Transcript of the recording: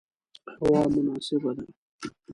هوا مناسبه ده